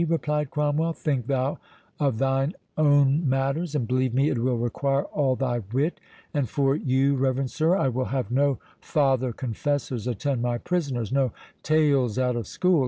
replied Cromwell; "think thou of thine own matters, and believe me it will require all thy wit.—And for you, reverend sir, I will have no father confessors attend my prisoners—no tales out of school.